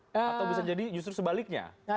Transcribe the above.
atau bisa jadi justru sebaliknya